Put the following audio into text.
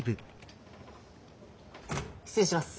失礼します。